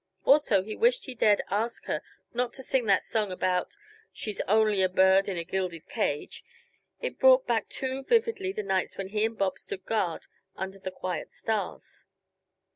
Also, he wished he dared ask her not to sing that song about "She's only a bird in a gilded cage." It brought back too vividly the nights when he and Bob stood guard under the quiet stars.